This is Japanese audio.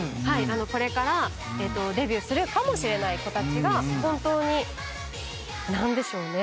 これからデビューするかもしれない子たちが本当に何でしょうね？